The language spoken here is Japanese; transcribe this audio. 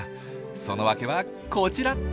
その訳はこちら。